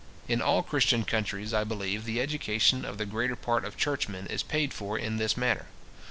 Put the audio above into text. In all Christian countries, I believe, the education of the greater part of churchmen is paid for in this manner.